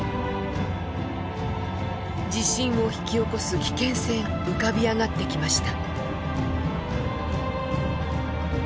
地震を引き起こす危険性が浮かび上がってきました。